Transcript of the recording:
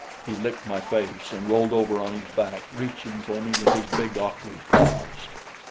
He licked my face and rolled over on his back, reaching for me with his big, awkward paws.